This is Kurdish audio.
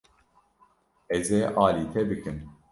Ez ê alî te bikim.